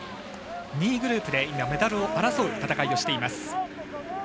２位グループでメダルを争う戦いをしています。